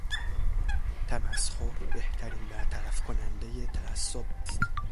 تمسخر بهترین برطرف کنندهی تعصب است.